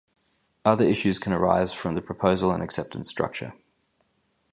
Other issues can arise from the proposal and acceptance structure.